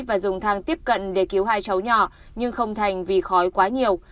và dùng thang tiếp cận để cứu hai cháu nhỏ nhưng không thành vì khói quá nhiều